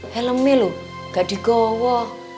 helme loh enggak digowo